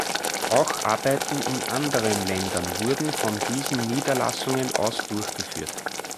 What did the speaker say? Auch Arbeiten in anderen Ländern wurden von diesen Niederlassungen aus durchgeführt.